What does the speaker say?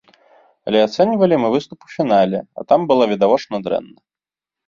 Але ацэньвалі мы выступ у фінале, і там было відавочна дрэнна.